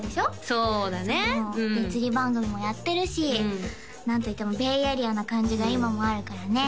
そうだねうん釣り番組もやってるし何といってもベイエリアな感じが今もあるからね